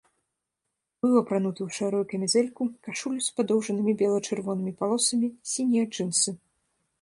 Быў апрануты ў шэрую камізэльку, кашулю з падоўжнымі бела-чырвонымі палосамі, сінія джынсы.